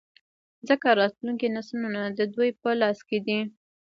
ځـکـه راتـلونکي نـسلونه د دوي پـه لاس کـې دي.